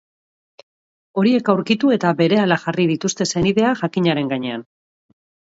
Horiek aurkitu eta berehala jarri dituzte senideak jakinaren gainean.